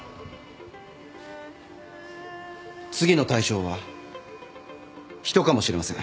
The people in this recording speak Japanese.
次の対象は人かもしれません。